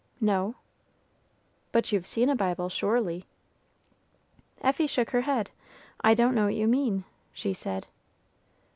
"No." "But you've seen a Bible, surely." Effie shook her head. "I don't know what you mean," she said.